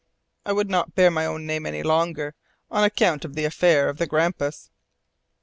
"I would not bear my own name any longer on account of the affair of the Grampus."